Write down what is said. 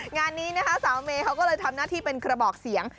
งานนี้นะคะสาวเมย์เขาก็เลยทำหน้าที่เป็นกระบอกเสียง